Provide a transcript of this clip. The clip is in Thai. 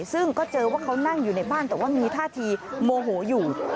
ซึ่งก็เจอว่าเขานั่งอยู่ในบ้านแต่ว่ามีท่าทีโมโหอยู่